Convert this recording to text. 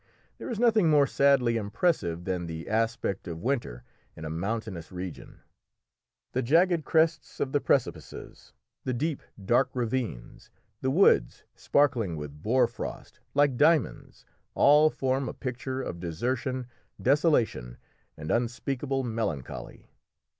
There is nothing more sadly impressive than the aspect of winter in a mountainous region. The jagged crests of the precipices, the deep, dark ravines, the woods sparkling with boar frost like diamonds, all form a picture of desertion, desolation, and unspeakable melancholy.